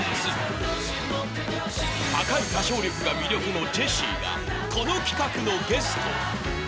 ［高い歌唱力が魅力のジェシーがこの企画のゲスト］